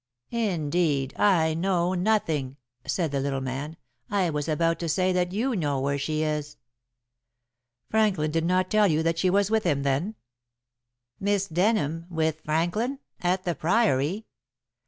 "Indeed, I know nothing," said the little man. "I was about to say that you know where she is?" "Franklin did not tell you that she was with him, then?" "Miss Denham with Franklin at the Priory?"